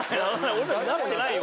俺たちなってないよ